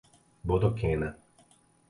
Bodoquena